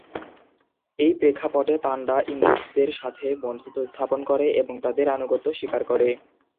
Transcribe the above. এই প্রেক্ষাপটে পান্ডা ইংরেজদের সাথে বন্ধুত্ব স্থাপন করে এবং তাদের আনুগত্য স্বীকার করে।